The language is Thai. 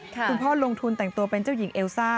คุณพ่อลงทุนแต่งตัวเป็นเจ้าหญิงเอลซ่า